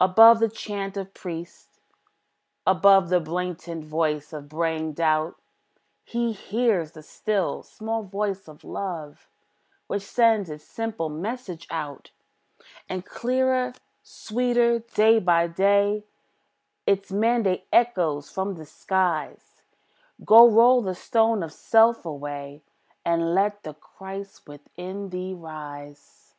Above the chant of priests, above The blatant voice of braying doubt, He hears the still, small voice of Love, Which sends its simple message out. And clearer, sweeter, day by day, Its mandate echoes from the skies, "Go roll the stone of self away, And let the Christ within thee rise."